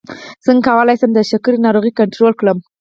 څنګه کولی شم د شکر ناروغي کنټرول کړم